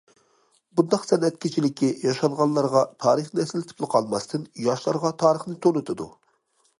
بۇنداق سەنئەت كېچىلىكى ياشانغانلارغا تارىخنى ئەسلىتىپلا قالماستىن، ياشلارغا تارىخنى تونۇتىدۇ.